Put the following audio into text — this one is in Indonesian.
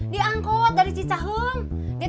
diangkut dari cicahung